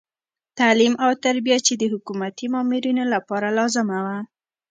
تعلیم او تربیه چې د حکومتي مامورینو لپاره لازمه وه.